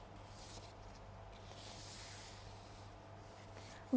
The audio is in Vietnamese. đoàn kiểm tra xe tải đang dừng trong khu vực phường bốn quận tân bình tp hcm